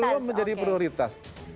belum menjadi prioritas